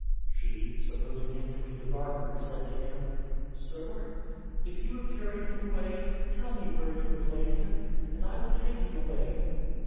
She, supposing him to be the gardener, said to him, "Sir, if you have carried him away, tell me where you have laid him, and I will take him away."